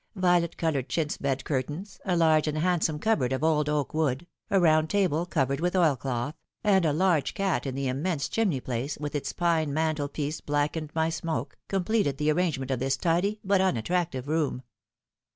Violet colored chintz bed curtains, a large and handsome cupboard of old oak wood, a round table covered with oil cloth, and a large cat in the im mense chimney place, with its pine mantel piece blackened by smoke, completed the arrangement of this tidy, but unattractive room.